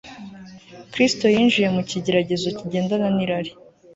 Kristo yinjiye mu kigeragezo kigendana nirari